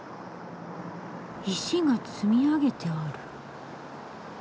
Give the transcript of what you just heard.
石が積み上げてある。